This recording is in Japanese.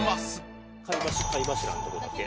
貝柱のとこだけ。